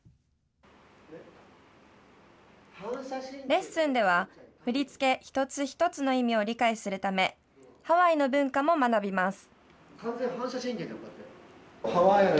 レッスンでは、振り付け一つ一つの意味を理解するため、ハワイの文化も学びます。